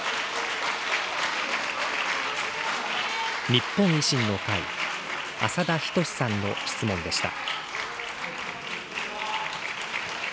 日本維新の会、浅田均さんの質問でした。